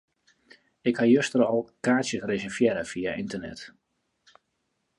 Ik ha juster al kaartsjes reservearre fia ynternet.